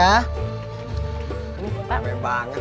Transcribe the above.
ape banget ya pak